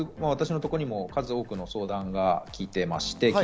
私のところにも多くの相談が来ています。